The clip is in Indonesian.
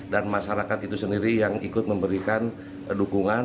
dan masyarakat itu sendiri yang ikut memberikan dukungan